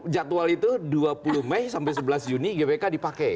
jadwal itu dua puluh mei sampai sebelas juni gbk dipakai